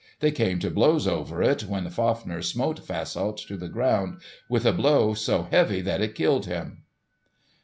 They came to blows over it, when Fafner smote Fasolt to the ground with a blow so heavy that it killed him.